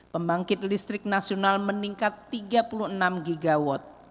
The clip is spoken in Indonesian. pembangkit listrik nasional meningkat tiga puluh enam gigawatt